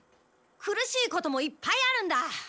苦しいこともいっぱいあるんだ！